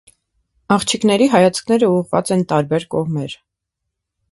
Աղջիկների հայացքները ուղղված են տարբեր կողմեր։